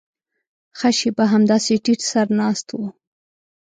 ښه شېبه همداسې ټيټ سر ناست و.